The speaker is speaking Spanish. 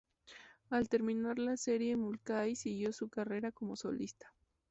Al terminar la serie Mulcahy siguió su carrera como solista.